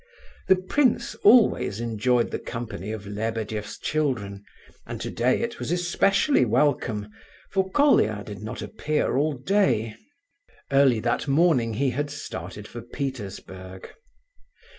The prince always enjoyed the company of Lebedeff's children, and today it was especially welcome, for Colia did not appear all day. Early that morning he had started for Petersburg.